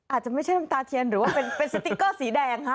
อาจจะไม่ใช่น้ำตาเทียนหรือว่าเป็นสติ๊กเกอร์สีแดงฮะ